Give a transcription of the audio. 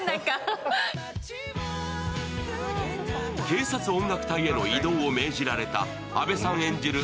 警察音楽隊への異動を命じられた阿部さん演じる